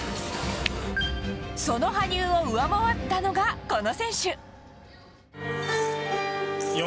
その羽生を上回ったのがこの選手。